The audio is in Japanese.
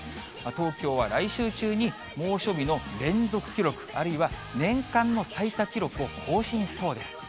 東京は来週中に猛暑日の連続記録、あるいは年間の最多記録を更新しそうです。